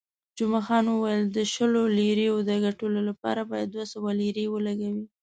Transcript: جمعه خان وویل، د شلو لیرو د ګټلو لپاره باید دوه سوه لیرې ولګوې.